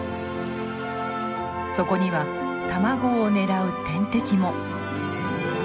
そこには卵を狙う天敵も。